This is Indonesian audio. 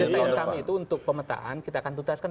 desain kami itu untuk pemetaan kita akan tutaskan dua ribu enam belas